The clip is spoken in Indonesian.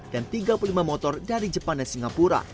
dan tiga puluh lima motor dari jepang dan singapura